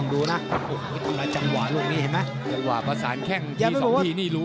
ดูลูกเสียด่ี